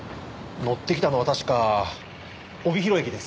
乗ってきたのは確か帯広駅です。